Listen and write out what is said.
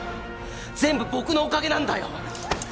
全部僕のおかげなんだよ！